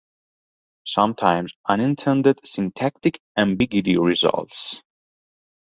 Sometimes unintended syntactic ambiguity results.